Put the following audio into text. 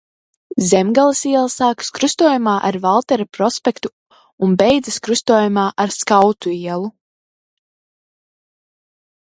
Zemgales iela sākas krustojumā ar Valtera prospektu un beidzas krustojumā ar Skautu ielu.